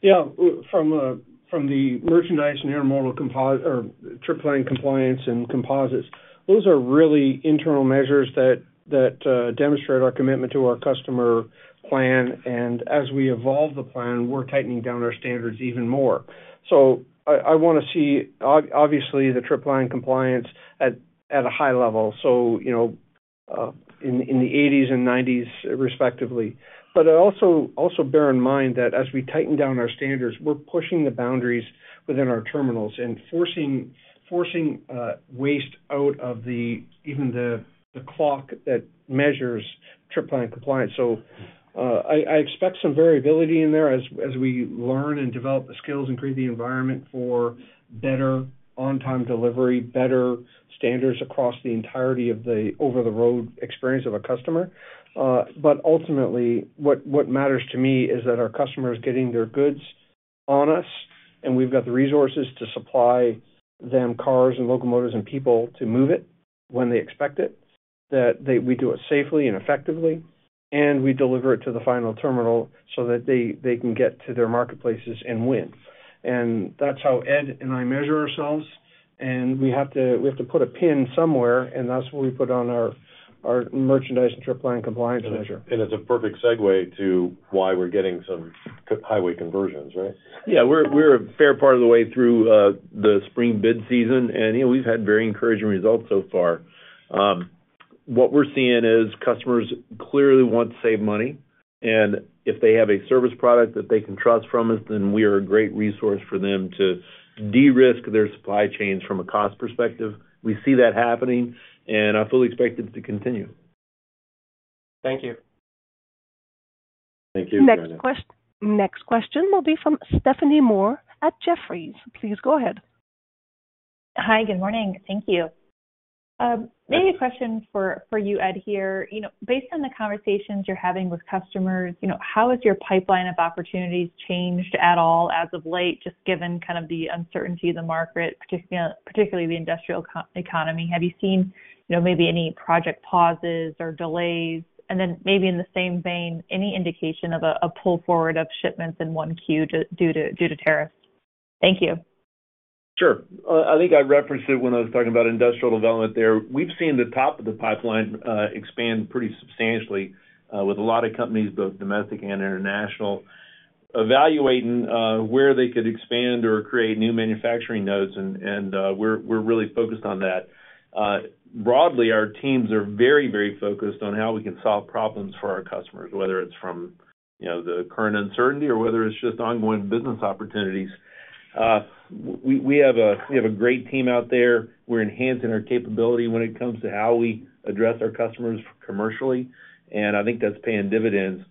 Yeah, from the merchandise and intermodal composite or trip planning compliance and composites. Those are really internal measures that demonstrate our commitment to our customer plan. As we evolve the plan, we are tightening down our standards even more. I want to see obviously the trip plan compliance at a high level. You know, in the 80%s and 90%s respectively. Also bear in mind that as we tighten down our standards, we're pushing the boundaries within our terminals and forcing waste out of even the clock that measures trip plan compliance. I expect some variability in there as we learn and develop the system skills and create the environment for better on time delivery, better standards across the entirety of the over the road experience of a customer. Ultimately what matters to me is that our customer is getting their goods on us and we've got the resources to supply them cars and locomotives and people to move it when they expect it, that we do it safely and effectively and we deliver it to the final terminal so that they can get to their marketplaces and win. That's how Ed and I measure ourselves. We have to put a pin somewhere and that's where we put on our merchandise and trip plan compliance measure. It's a perfect segue to why we're getting some highway conversions. Right? We're a fair part of the way through the spring bid season and we've had very encouraging results so far. What we're seeing is customers clearly want to save money and if they have a service product that they can trust from us, then we are a great resource for them to de-risk their supply chains from a cost perspective. We see that happening and I fully expect it to continue. Thank you. Thank you. Next question will be from Stephanie Moore at Jefferies. Please go ahead. Hi, good morning. Thank you. Maybe a question for you, Ed here. You know, based on the conversations you're having with customers, you know, how has your pipeline of opportunities changed at all as of late, just given kind of the uncertainty of the market, particularly the industrial economy, have you, you know, maybe any project pauses or delays and then maybe in the same vein, any indication of a pull forward of shipments in 1Q due to tariffs. Thank you. Sure. I think I referenced it when I was talking about industrial development there. We've seen the top of the pipeline expand pretty substantially with a lot of companies, both domestic and international, evaluating where they could expand or create new manufacturing nodes. We are really focused on that broadly. Our teams are very, very focused on how we can solve problems for our customers, whether it's from the current uncertainty or whether it's just ongoing business opportunities. We have a great team out there. We're enhancing our capability when it comes to how we address our customers commercially. I think that's paying dividends.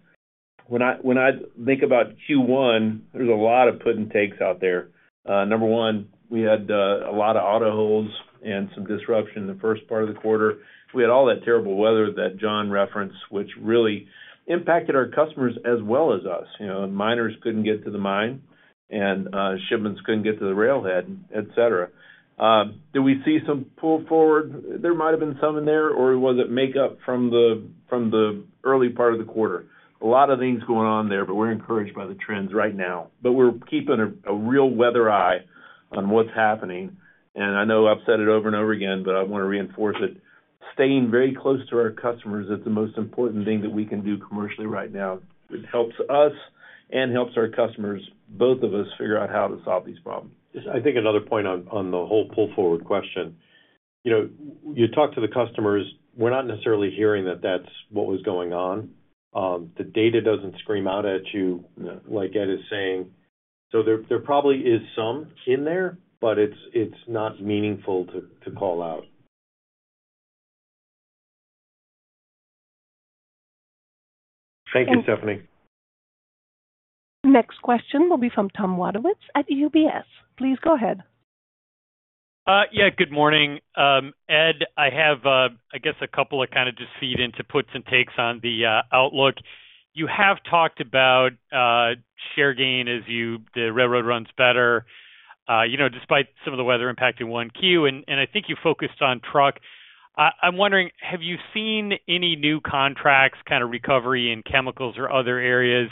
When I think about Q1, there's a lot of puts and takes out there. Number one, we had a lot of auto holds and some disruption in the first part of the quarter. We had all that terrible weather that John referenced which really impacted our customers as well as us. Miners could not get to the mine and shipments could not get to the railhead, et cetera. Did we see some pull forward? There might have been some in there or was it makeup from the early part of the quarter? A lot of things going on there, but we are encouraged by the trends right now. We are keeping a real weather eye on what is happening. I know I have said it over and over again, but I want to reinforce it. Staying very close to our customers is the most important thing that we can do commercially right now. It helps us and helps our customers, both of us figure out how to solve these problems. I think another point on the whole pull forward question, you know, you talk to the customers, we're not necessarily hearing that that's what was going on. The data does not scream out at you like Ed is saying. So there probably is some in there, but it's not meaningful to call out. Thank you, Stephanie. Next question will be from Tom Wadewitz at UBS. Please go ahead. Yeah, good morning Ed. I have I guess a couple of kind of just feed into puts and takes on the outlook. You have talked about share gain as you the railroad runs better, you know, despite some of the weather impact in 1Q and I think you focused on truck. I'm wondering have you seen any new contracts kind of recovery in chemicals or other areas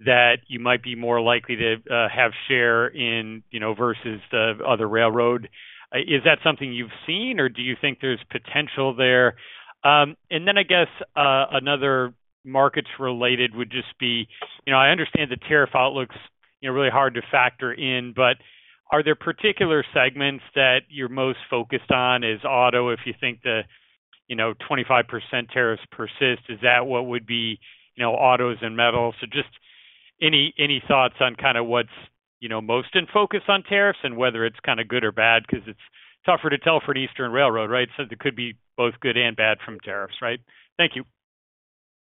that you might be more likely to have share in, you know, versus the other railroad? Is that something you've seen or do you think there's potential there and then I guess another markets related would just be, you know, I understand the tariff outlooks, you know, really hard to factor in. Are there particular segments that you're most focused on? Is auto, if you think the, you know, 25% tariffs persist, is that what would be, you know, autos and metals? Just any thoughts on kind of what's, you know, most in focus on tariffs and whether it's kind of good or bad because it's tougher to tell for an eastern railroad. Right. There could be both good and bad from tariffs. Right. Thank you.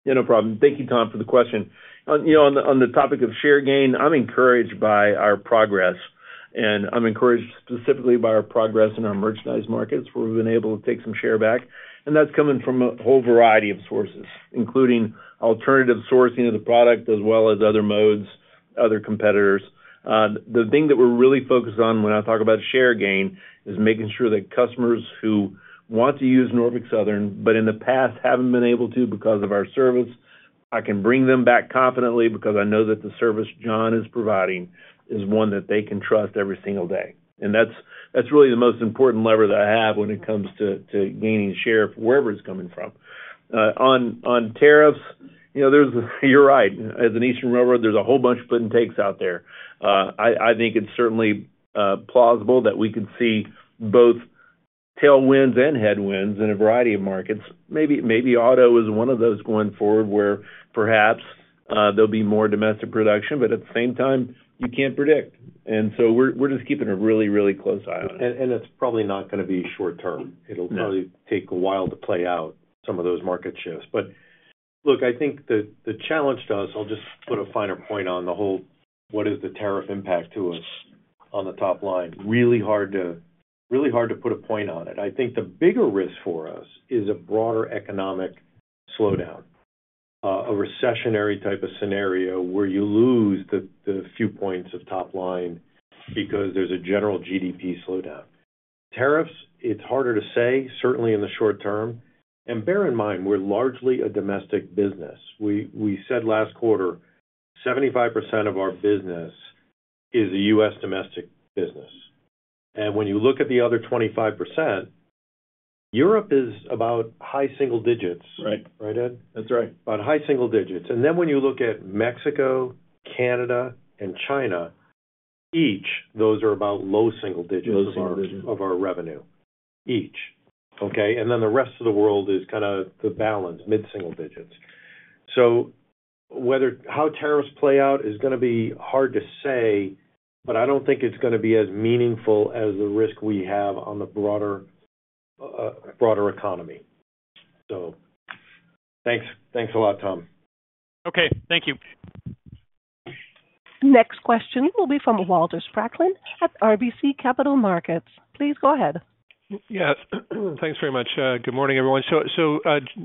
Yeah, no problem. Thank you Tom, for the question. You know, on the topic of share gain, I'm encouraged by our progress and I'm encouraged specifically by our progress in our merchandise markets where we've been able to take some share back and that's coming from a whole variety of sources including alternative sourcing of the product as well as other modes, other competitors. The thing that we're really focused on, when I talk about share gain, is making sure that customers who want to use Norfolk Southern but in the past haven't been able to because of our service. I can bring them back confidently because I know that the service John is providing is one that they can trust every single day. That's really the most important lever that I have when it comes to gaining share wherever it's coming from. On tariffs, you're right. As an eastern railroad, there's a whole bunch of put and takes out there. I think it's certainly plausible that we could see both tailwinds and headwinds in a variety of markets. Maybe auto is one of those going forward where perhaps there'll be more domestic production, but at the same time, you can't predict. We are just keeping a really, really close eye on it. It's probably not going to be short term. It'll probably take a while to play out some of those market shifts. Look, I think the challenge does. I'll just put a finer point on the whole. What is the tariff impact to us on the top line? Really hard to. Really hard to put a point on it. I think the bigger risk for us is a broader economic slowdown, a recessionary type of scenario where you lose the few points of top line because there's a general GDP slowdown, tariffs, it's harder to say, certainly in the short term. Bear in mind, we're largely a domestic business. We said last quarter, 75% of our business is a U.S. domestic business. When you look at the other 25%, Europe is about high single digits, right, Ed? That's right. About high single digits. When you look at Mexico, Canada, and China each, those are about low single digits of our revenue each. Okay. The rest of the world is kind of the balance mid single digits. Whether how tariffs play out is going to be hard to say, but I do not think it is going to be as meaningful as the risk we have on the broader economy. Thanks. Thanks a lot, Tom. Okay, thank you. Next question will be from Walter Spracklin at RBC Capital Markets. Please go ahead. Yes, thanks very much. Good morning, everyone.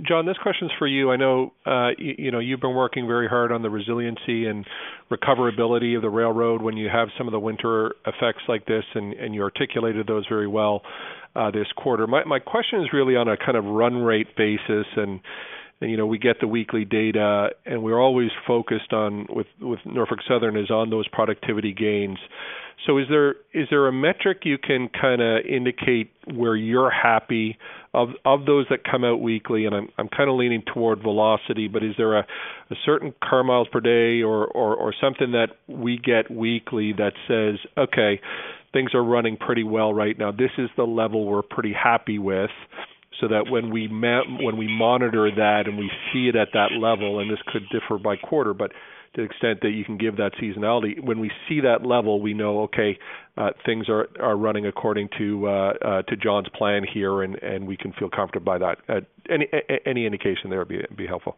John, this question is for you. I know you know, you have been working very hard on the resiliency and recoverability of the railroad when you have some of the winter effects like this. You articulated those very well this quarter. My question is really on a kind of run rate basis. You know, we get the weekly data, and we are always focused on with Norfolk Southern is on those productivity gains. Is there a metric you can kind of indicate where you're happy of those that come out weekly? I'm kind of leaning toward velocity, but is there a certain car miles per day or something that we get weekly that says, okay, things are running pretty well right now. This is the level we're pretty happy with. When we monitor that and we see it at that level, and this could differ by quarter, but to the extent that you can give that seasonality, when we see that level, we know, okay, things are running according to John's plan here and we can feel comfortable by that. Any indication there would be helpful.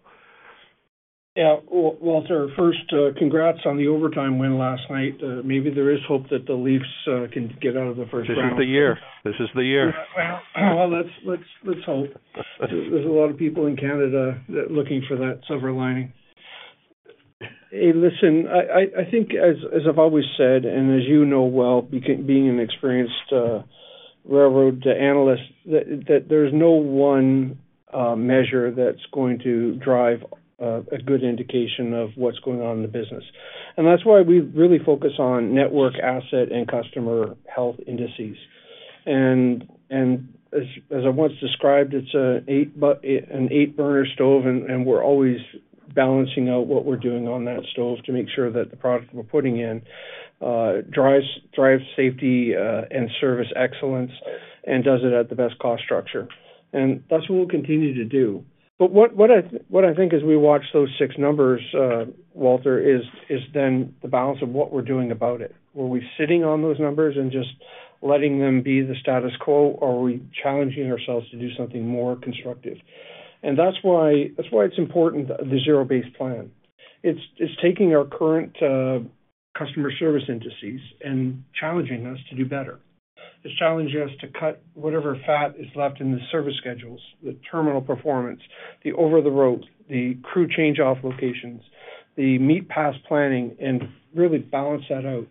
Yeah, Walter, first, congrats on the overtime win last night. Maybe there is hope that the Leafs can get out of the first round. This is the year. This is the year. Let's hope there's a lot of people in Canada looking for that silver lining. Hey, listen, I think as I've always said and as you know well, being an experienced railroad analyst, that there's no one measure that's going to drive a good indication of what's going on in the business. That's why we really focus on network asset and customer health indices. As I once described, it's an eight burner stove and we're always balancing out what we're doing on that stove to make sure that the product that we're putting in drives safety and service excellence and does it at the best cost structure. That's what we'll continue to do. What I think as we watch those six numbers, Walter, is then the balance of what we're doing about it. Were we sitting on those numbers and just letting them be the status quo? Are we challenging ourselves to do something more constructive? That is why it is important. The Zero-based Plan, it is taking our current customer service indices and challenging us to do better. It is challenging us to cut whatever fat is left in the service schedules. The terminal performance, the over the road, the crew change-off locations, the meet-pass planning and really balance that out.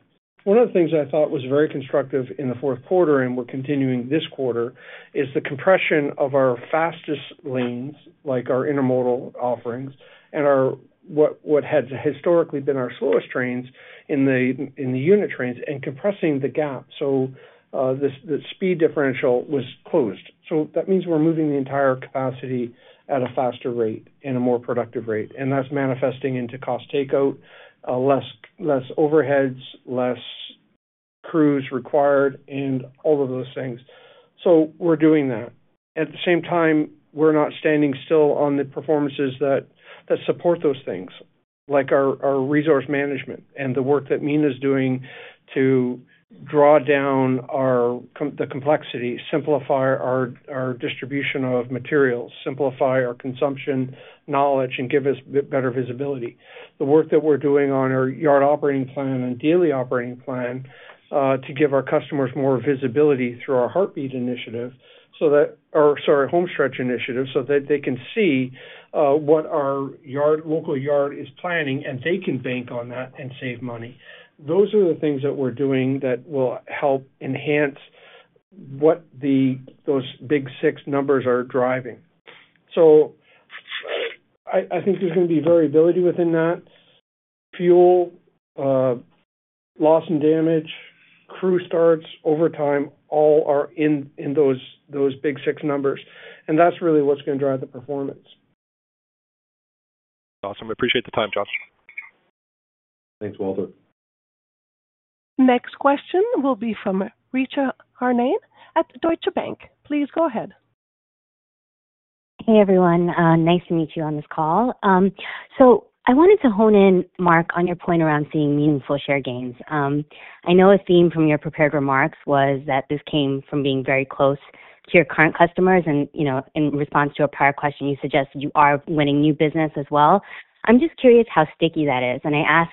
One of the things I thought was very constructive in the fourth quarter and we are continuing this quarter is the compression of our fastest lanes like our intermodal offerings and our what had historically been our slowest trains in the unit trains and compressing the gap. The speed differential was closed. That means we are moving the entire capacity at a faster rate and a more productive rate. That is manifesting into cost takeout, less overheads, less crews required and all of those things. We're doing that at the same time. We're not standing still on the performances that support those things like our resource management and the work that Mina is doing to draw down the complexity, simplify our distribution of materials, simplify our consumption knowledge and give us better visibility. The work that we're doing on our yard operating plan and daily operating plan to give our customers more visibility through our heartbeat initiative, or, sorry, Home Stretch initiative so that they can see what our local yard is planning and they can bank on that and save money. Those are the things that we're doing that will help enhance what those big six numbers are driving. I think there's going to be variability within that fuel, loss and damage, crew starts, overtime, all are in those big six numbers and that's really what's going to drive the performance. Awesome. We appreciate the time, John. Thanks, Walter. Next question will be from Richa Harnain at Deutsche Bank. Please go ahead. Hey everyone, nice to meet you on this call. I wanted to hone in, Mark, on your point around seeing meaningful share gains. I know a theme from your prepared remarks was that this came from being very close to your current customers. You know, in response to a prior question, you suggested you are winning new business as well. I'm just curious how sticky that is. I ask,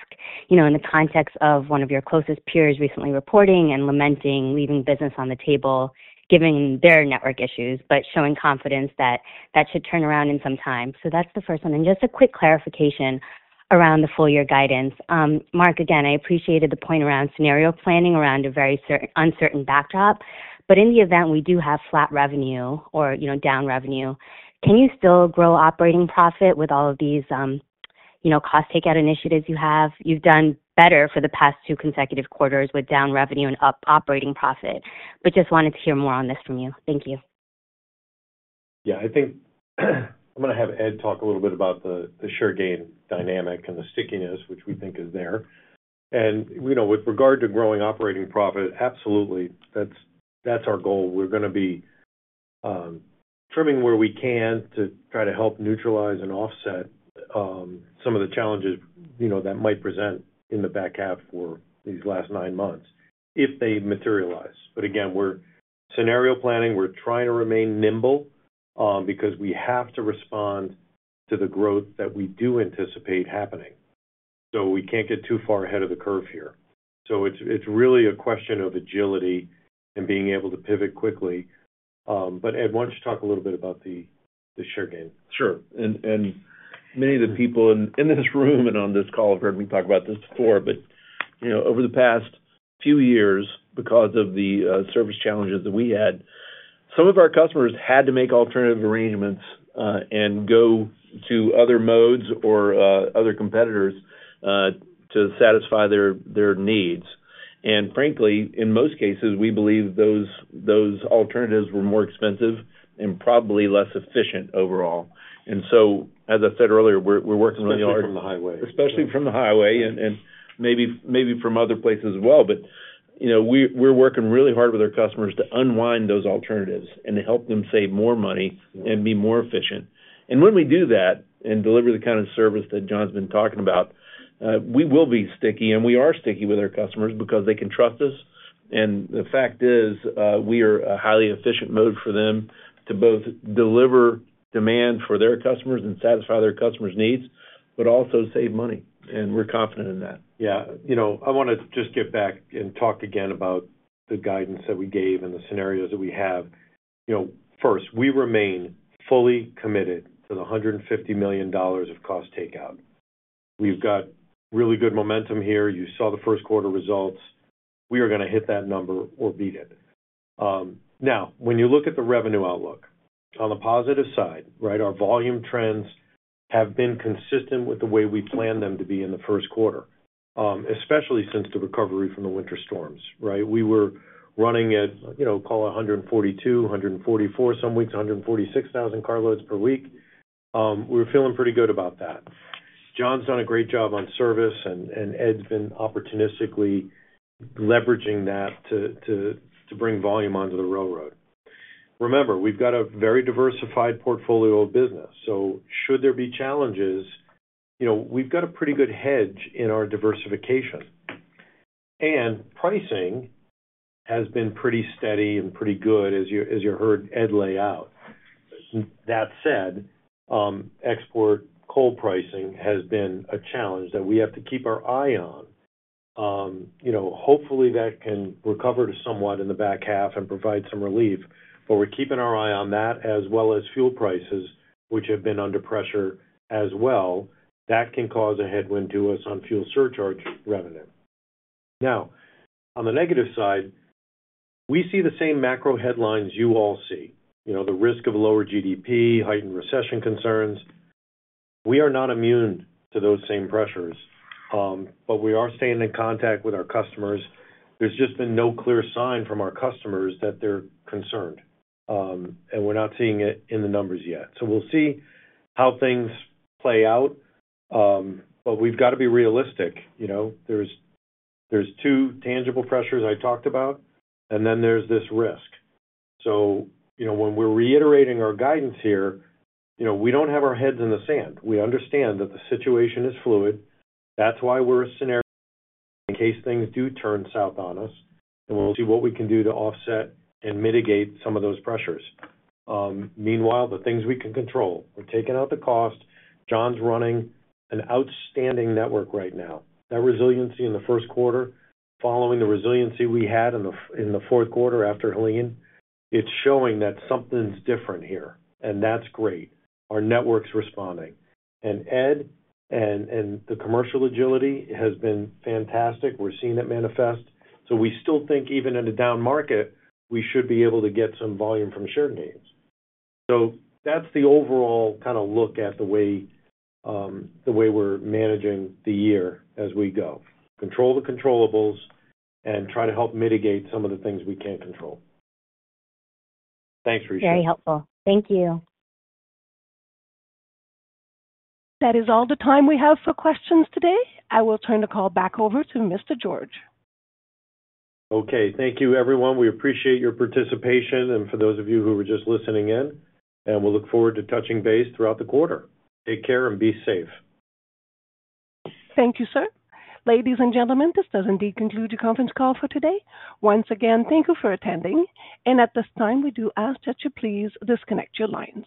you know, in the context of one of your closest peers recently reporting and lamenting leaving business on the table given their network issues, but showing confidence that that should turn around in some time. That's the first one. Just a quick clarification around the full year guidance. Mark, again, I appreciated the point around scenario planning around a very uncertain backdrop. In the event we do have flat revenue or, you know, down revenue, can you still grow operating profit with all of these, you know, cost takeout initiatives you have? You've done better for the past two consecutive quarters with down revenue and up operating profit. Just wanted to hear more on this from you. Thank you. Yeah, I think I'm going to have Ed talk a little bit about the share gain dynamic and the stickiness which we think is there. With regard to growing operating profit, absolutely. That's our goal. We're going to be trimming where we can to try to help neutralize and offset some of the challenges that might present in the back half for these last nine months if they materialize. Again, we're scenario planning. We're trying to remain nimble because we have to respond to the growth that we do anticipate happening. We can't get too far ahead of the curve here. It's really a question of agility and being able to pivot quickly. Ed, why don't you talk a little bit about the share gain? Sure. Many of the people in this room and on this call have heard me talk about this before. You know, over the past few years, because of the service challenges that we had, some of our customers had to make alternative arrangements and go to other modes or other competitors to satisfy their needs. Frankly, in most cases, we believe those alternatives were more expensive and probably less efficient overall. As I said earlier, we're working really hard, especially from the highway and maybe from other places as well. We are working really hard with our customers to unwind those alternatives and to help them save more money and be more efficient. When we do that and deliver the kind of service that John's been talking about, we will be sticky. We are sticking with our customers because they can trust us. The fact is we are a highly efficient mode for them to both deliver demand for their customers and satisfy their customers' needs, but also save money. We are confident in that. Yeah, you know, I want to just get back and talk again about the guidance that we gave and the scenarios that we have. You know, first, we remain fully committed to the $150 million of cost takeout. We've got really good momentum here. You saw the first quarter results. We are going to hit that number or beat it. Now, when you look at the revenue outlook on the positive side. Right. Our volume trends have been consistent with the way we planned them to be in the first quarter, especially since the recovery from the winter storms. Right. We were running at, you know, call it 142,000, 144,000 some weeks, 146,000 carloads per week. We were feeling pretty good about that. John's done a great job on service and Ed's been opportunistically leveraging that to bring volume onto the railroad. Remember, we've got a very diversified portfolio of business, so should there be challenges, you know, we've got a pretty good hedge in our diversification and pricing has been pretty steady and pretty good, as you, as you heard Ed lay out. That said, export coal pricing has been a challenge that we have to keep our eye on. You know, hopefully that can recover to somewhat in the back half and provide some relief, but we're keeping our eye on that as well as fuel prices, which have been under pressure as well, that can cause a headwind to us on fuel surcharge revenue. Now, on the negative side, we see the same macro headlines you all see. You know, the risk of lower GDP, heightened recession concerns. We are not immune to those same pressures, but we are staying in contact with our customers. There's just been no clear sign from our customers that they're concerned, and we're not seeing it in the numbers yet. We will see how things play out. We've got to be realistic, you know. There's two tangible pressures I talked about, and then there's this risk. You know, when we're reiterating our guidance here, you know, we don't have our heads in the sand. We understand that the situation is fluid. That's why we're a scenario in case things do turn south on us, and we'll see what we can do to offset and mitigate some of those pressures. Meanwhile, the things we can control are taking out the cost. John's running an outstanding network right now. That resiliency in the first quarter following the resiliency we had in the fourth quarter after Helene, it's showing that something's different here, and that's great. Our network's responding, and Ed and the commercial agility has been fantastic. We're seeing it manifest. We still think even in a down market, we should be able to get some volume from share gains. That is the overall kind of look at the way we are managing the year as we go, control the controllables, and try to help mitigate some of the things we cannot control. Thanks, Richa. Very helpful. Thank you. That is all the time we have for questions today. I will turn the call back over to Mr. George. Okay, thank you, everyone. We appreciate your participation. For those of you who were just listening in, we will look forward to touching base throughout the quarter. Take care and be safe. Thank you, sir. Ladies and gentlemen, this does indeed conclude your conference call for today. Once again, thank you for attending. At this time, we do ask that you please disconnect your lines.